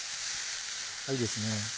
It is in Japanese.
いいですね